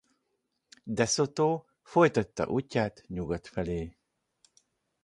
De Soto folytatta útját nyugat felé.